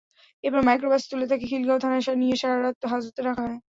এরপর মাইক্রোবাসে তুলে তাঁকে খিলগাঁও থানায় নিয়ে সারা রাত হাজতে রাখা হয়।